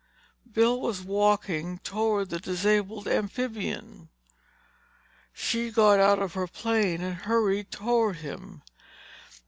Bill was walking toward the disabled amphibian. She got out of her plane and hurried toward him.